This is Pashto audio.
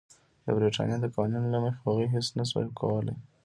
د برېټانیا د قوانینو له مخې هغوی هېڅ نه شوای کولای.